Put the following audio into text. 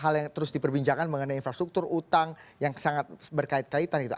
hal yang terus diperbincangkan mengenai infrastruktur utang yang sangat berkaitan gitu